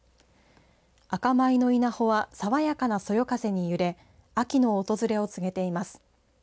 赤米の稲穂はさわやかなそよ風に揺れ秋の訪れを告げています。